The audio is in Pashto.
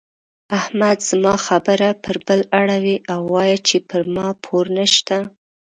احمد زما خبره پر بله اړوي او وايي چې پر ما پور نه شته.